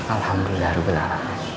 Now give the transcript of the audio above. alhamdulillah ruben alam